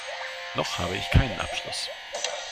Noch habe ich keinen Abschluss.